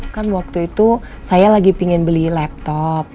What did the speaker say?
kan waktu itu saya lagi pingin beli laptop